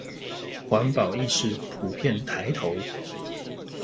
環保意識普遍抬頭